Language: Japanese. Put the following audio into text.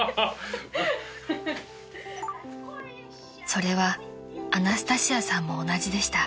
［それはアナスタシアさんも同じでした］